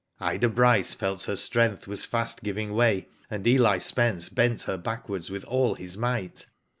Ida Bryce felt her strength was fast giving way, and Eli Spence bent her backwards with all his might.